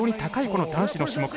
この男子の種目。